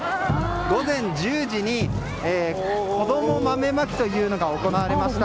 午前１０時にこども豆まきというのが行われました。